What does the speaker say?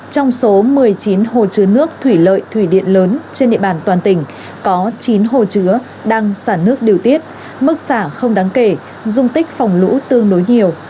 trong số một mươi chín hồ chứa nước thủy lợi thủy điện lớn trên địa bàn toàn tỉnh có chín hồ chứa đang xả nước điều tiết mức xả không đáng kể dung tích phòng lũ tương đối nhiều